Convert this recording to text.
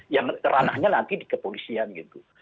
yang ranahnya nanti di kepolisian gitu